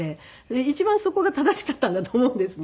一番そこが正しかったんだと思うんですね。